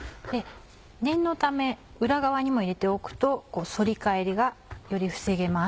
念のため裏側にも入れておくと反り返りがより防げます。